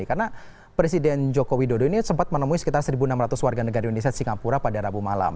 karena presiden jokowi dodo ini sempat menemui sekitar satu enam ratus warga negara indonesia di singapura pada rabu malam